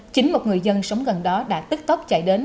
chính một người dân sống gần đó đã tức tốc chạy đến